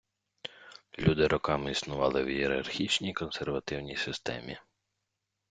Люди роками існували в ієрархічній, консервативній системі.